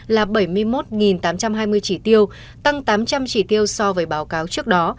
là bảy mươi một tám trăm hai mươi chỉ tiêu tăng tám trăm linh chỉ tiêu so với báo cáo trước đó